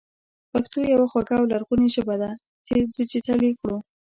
پښتو يوه خواږه او لرغونې ژبه ده چې ډېجېټل يې کړو